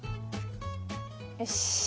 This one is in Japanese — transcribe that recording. よし。